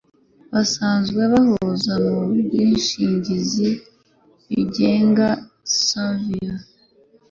basanzwe abahuza mu bwishingizi bigenga surveyor